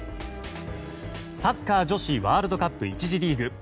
サッカー女子ワールドカップ１次リーグ。